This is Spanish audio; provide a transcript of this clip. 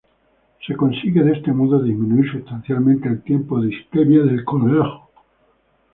Se consigue, de este modo, disminuir substancialmente el tiempo de isquemia del colgajo.